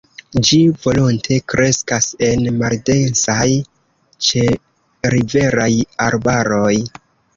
Ĝi volonte kreskas en maldensaj ĉeriveraj arbaroj.